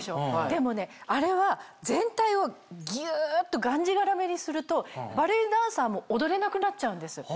でもねあれは全体をぎゅっとがんじがらめにするとバレエダンサーも踊れなくなっちゃうんです。